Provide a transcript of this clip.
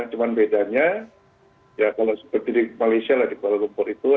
cuma bedanya ya kalau seperti di malaysia lah di kuala lumpur itu